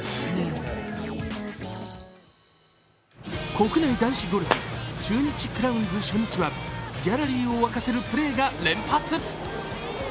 国内男子ゴルフ、中日クラウンズ初日はギャラリーを沸かせるプレーが連発。